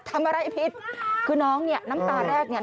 ทำอะไรผิดคือน้องเนี่ยน้ำตาแรกเนี่ย